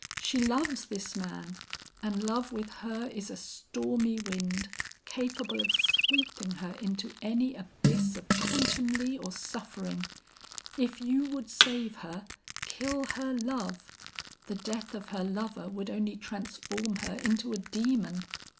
She loves this man, and love with her is a stormy wind, capable of sweeping her into any abyss of contumely or suffering. If you would save her, kill her love; the death of her lover would only transform her into a demon.'